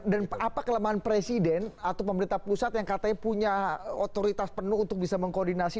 dan apa kelemahan presiden atau pemerintah pusat yang katanya punya otoritas penuh untuk bisa mengkoordinasi